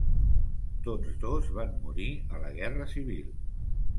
Tots dos van morir a la Guerra Civil.